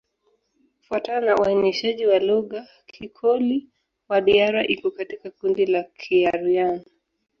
Kufuatana na uainishaji wa lugha, Kikoli-Wadiyara iko katika kundi la Kiaryan.